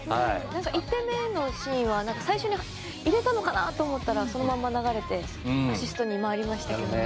１点目のシーンは最初に入れたのかなと思ったらそのまま流れてアシストに回りましたけどね。